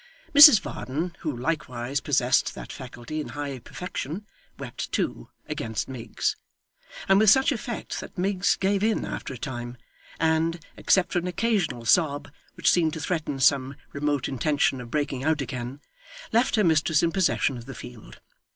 Mrs Varden, who likewise possessed that faculty in high perfection, wept too, against Miggs; and with such effect that Miggs gave in after a time, and, except for an occasional sob, which seemed to threaten some remote intention of breaking out again, left her mistress in possession of the field.